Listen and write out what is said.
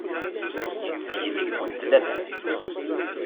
Yetteg deg-went laman.